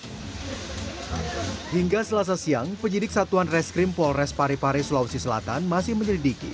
hai hingga selasa siang penyidik satuan reskrim polres parepare sulawesi selatan masih menyelidiki